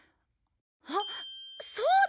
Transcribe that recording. あっそうだ！